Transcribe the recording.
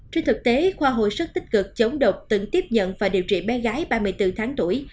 trên thực tế khoa hồi sức tích cực chống độc tỉnh tiếp nhận và điều trị bé gái ba mươi bốn tháng tuổi